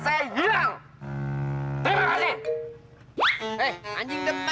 hei tidak tidak tidak